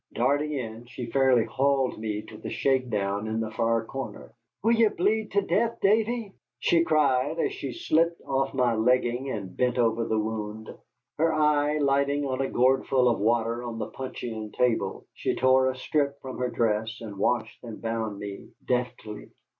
Darting in, she fairly hauled me to the shake down in the far corner. "Will ye bleed to death, Davy?" she cried, as she slipped off my legging and bent over the wound. Her eye lighting on a gourdful of water on the puncheon table, she tore a strip from her dress and washed and bound me deftly.